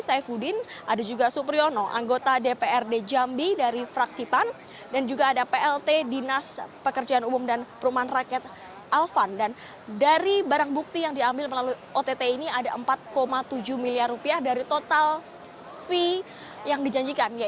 saifuddin ada juga supriyono anggota dprd jakarta